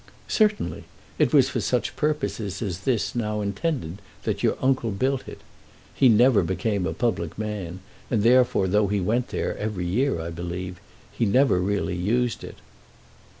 "Certainly. It was for such purposes as this now intended that your uncle built it. He never became a public man, and therefore, though he went there, every year I believe, he never really used it."